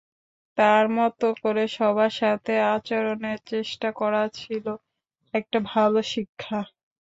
তাঁর মত করে সবার সাথে আচরণের চেষ্টা করা ছিল একটা ভাল শিক্ষা।